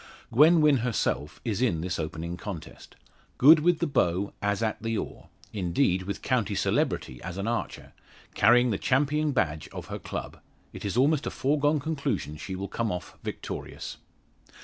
Gwen Wynn herself is in this opening contest. Good with the bow, as at the oar indeed with county celebrity as an archer carrying the champion badge of her club it is almost a foregone conclusion she will come off victorious.